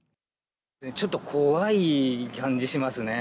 ちょっと怖い感じしますね。